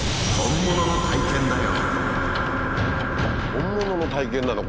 本物の体験なの？